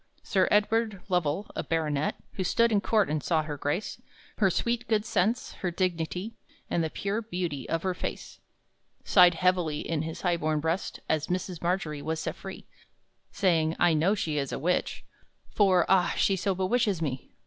Sir Edward Lovell, a baronet, Who stood in court and saw her grace Her sweet good sense, her dignity, And the pure beauty of her face, Sighed heavily in his high born breast As Mrs. Margery was set free, Saying, "I know she is a witch, For, ah, she so bewitches me!"